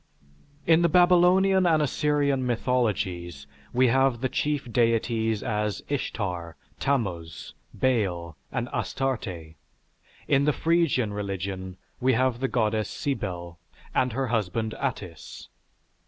In the Babylonian and Assyrian mythologies we have the chief deities as Ishtar, Tammuz, Baal, and Astarte. In the Phrygian religion we have the Goddess Cybele and her husband Attis.